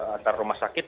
antara rumah sakit